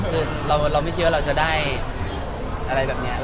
คือเราไม่คิดว่าเราจะได้อะไรแบบนี้